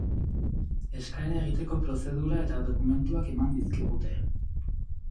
Eskaera egiteko prozedura eta dokumentuak eman dizkigute.